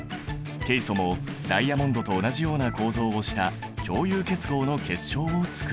ケイ素もダイヤモンドと同じような構造をした共有結合の結晶をつくる。